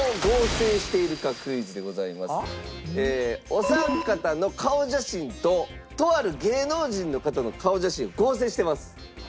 お三方の顔写真ととある芸能人の方の顔写真を合成してます。